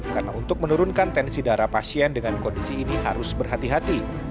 karena untuk menurunkan tensi darah pasien dengan kondisi ini harus berhati hati